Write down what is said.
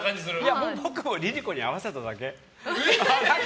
僕もＬｉＬｉＣｏに合わせただけ。